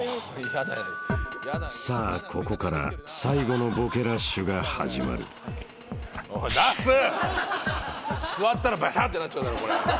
［さあここから最後のボケラッシュが始まる］座ったらバシャッてなっちゃうだろこれ。